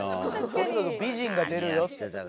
とにかく美人が出るよ。